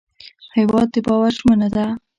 هېواد د باور ژمنه ده.